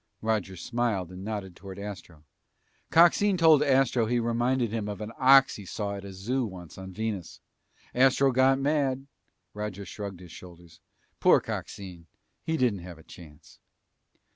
Roger smiled and nodded toward Astro. "Coxine told Astro he reminded him of an ox he saw at a zoo once on Venus. Astro got mad " Roger shrugged his shoulders. "Poor Coxine, he didn't have a chance!"